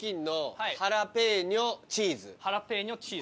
ハラペーニョチーズ。